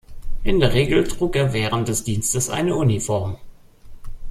In der Regel trug er während des Dienstes eine Uniform.